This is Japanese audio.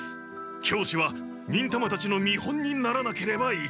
教師は忍たまたちの見本にならなければいけない。